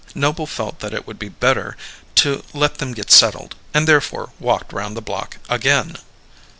Noble felt that it would be better to let them get settled, and therefore walked round the block again.